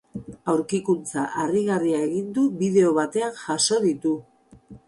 Aurkikuntza harrigarria egin du bideo batean jaso ditu.